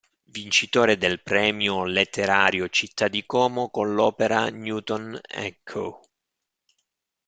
Vincitore del premio letterario Città di Como con l'opera "Newton and Co.